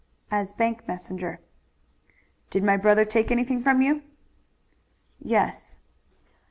"As bank messenger." "Did my brother take anything from you?" "Yes."